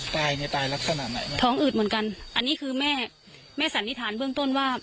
ตายเนี่ยตายลักษณะไหนท้องอืดเหมือนกันอันนี้คือแม่แม่สันนิษฐานเบื้องต้นว่า